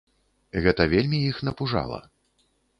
Гэта вельмі іх напужала.